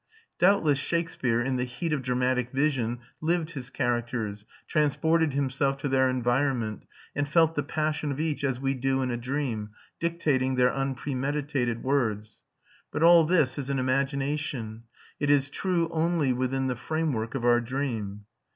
Doubtless Shakespeare, in the heat of dramatic vision, lived his characters, transported himself to their environment, and felt the passion of each, as we do in a dream, dictating their unpremeditated words. But all this is in imagination; it is true only within the framework of our dream.